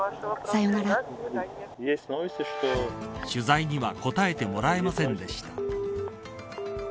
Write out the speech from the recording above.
取材には答えてもらえませんでした。